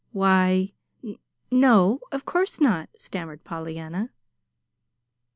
"Why, n no, of course not," stammered Pollyanna.